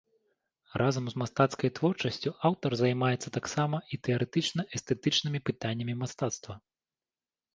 Разам з мастацкай творчасцю, аўтар займаецца таксама і тэарэтычна-эстэтычнымі пытаннямі мастацтва.